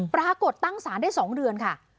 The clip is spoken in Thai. ปรากฏตั้งสารได้๒เดือนค่ะ